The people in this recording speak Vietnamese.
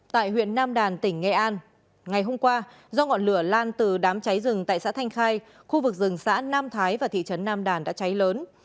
tại huyện nam đàn tỉnh nghệ an ngày hôm qua do ngọn lửa lan từ đám cháy rừng tại xã thanh khai khu vực rừng xã nam thái và thị trấn nam đàn đã cháy lớn